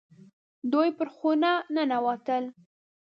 دوی پر خونه ننوتل.